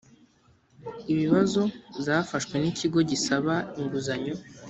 ibibazo zafashwe n ikigo gisaba inguzanyo